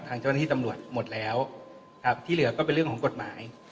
ทางเจ้าหน้าที่ตำรวจหมดแล้วครับที่เหลือก็เป็นเรื่องของกฎหมาย